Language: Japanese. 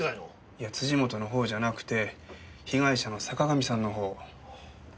いや本の方じゃなくて被害者の坂上さんの方。